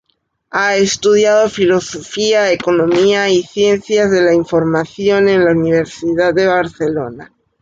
Ha estudiado Filosofía, Economía y Ciencias de la Información en la Universidad de Barcelona.